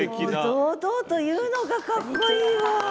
堂々と言うのがかっこいいわ。